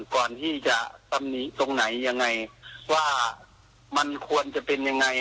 ก่อนที่จะตำหนิตรงไหนยังไงว่ามันควรจะเป็นยังไง